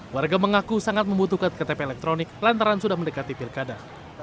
warga mengaku sangat membutuhkan ktp elektronik lantaran sudah mendekati pilkada